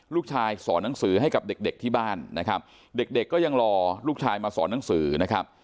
ลูกชายสอนหนังสือให้กับเด็กเด็กที่บ้านนะครับเด็กก็ยังรอลูกชายมาสอนหนังสือนะครับ